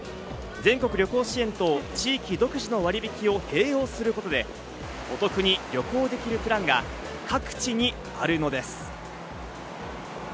全国旅行支援と地域独自の割引を併用することで、お得に旅行できるプランが各地にあるのです。